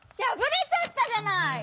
やぶれちゃったじゃない！